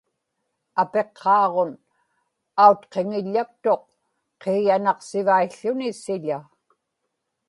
apiqqaaġun autqiŋiḷḷaktuq qiiyanaqsivaił̣ł̣uni siḷa